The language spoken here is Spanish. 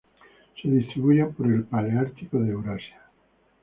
Se distribuyen por el paleártico de Eurasia.